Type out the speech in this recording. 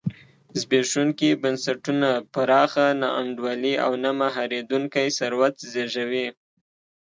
زبېښونکي بنسټونه پراخه نا انډولي او نه مهارېدونکی ثروت زېږوي.